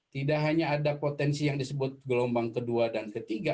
tidak hanya ada potensi yang disebut gelombang kedua dan ketiga